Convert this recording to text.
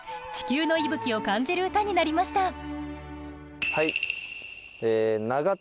地球の息吹を感じる歌になりました。